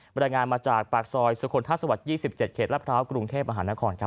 บรรยางานมาจากปากซอยสุคลทรัศน์สวรรค์๒๗เขตรัฐาวะกรุงเทพอาหารนครครับ